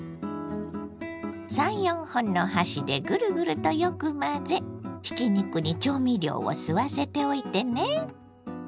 ３４本の箸でグルグルとよく混ぜひき肉に調味料を吸わせておいてね。